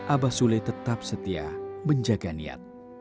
abah sule tetap setia menjaga niat